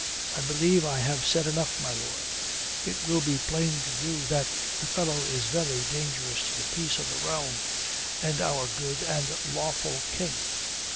I believe I have said enough, my lord. It will be plain to you that the fellow is very dangerous to the peace of the realm and our good and lawful king.